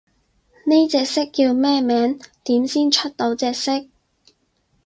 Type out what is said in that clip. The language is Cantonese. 呢隻色叫咩名？點先出到隻色？